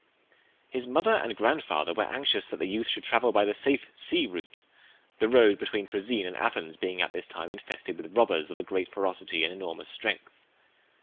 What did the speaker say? His mother and grandfather were anxious that the youth should travel by the safe sea route, the road between Troezen and Athens being at this time infested with robbers of great ferocity and enormous strength.